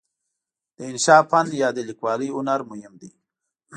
د انشأ فن یا د لیکوالۍ هنر مهم دی.